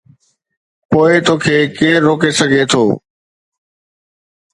پوءِ توکي ڪير روڪي سگهي ٿو؟